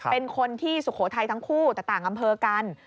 เป็นคนที่สุโขทัยทั้งคู่แต่ต่างอำเภอกัน